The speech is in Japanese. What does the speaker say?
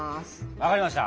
わかりました！